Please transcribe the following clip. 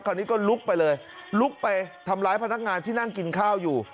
คราวนี้ก็ลุกไปเลยลุกไปทำร้ายพนักงานที่นั่งกินข้าวอยู่